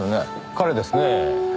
彼ですねぇ。